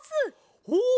ほう！